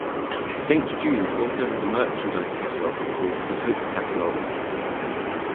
Saint Jude also has a merchandise catalog called the Hope Catalog.